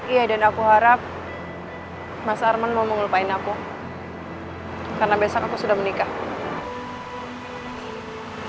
iya dan aku harap mas arman mau mengelupain aku karena besok aku sudah menikah